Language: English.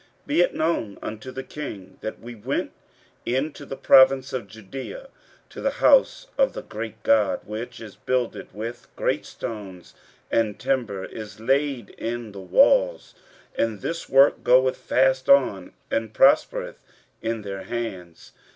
15:005:008 Be it known unto the king, that we went into the province of Judea, to the house of the great God, which is builded with great stones, and timber is laid in the walls, and this work goeth fast on, and prospereth in their hands.